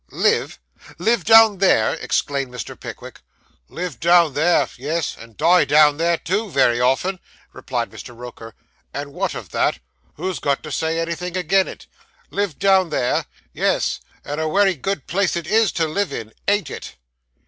'Live! live down there!' exclaimed Mr. Pickwick. 'Live down there! Yes, and die down there, too, very often!' replied Mr. Roker; 'and what of that? Who's got to say anything agin it? Live down there! Yes, and a wery good place it is to live in, ain't it?